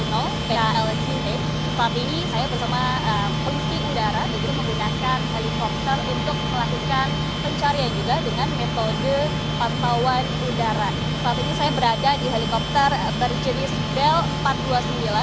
kepada ini saya bersama polisi udara juga menggunakan helikopter untuk melakukan pencarian juga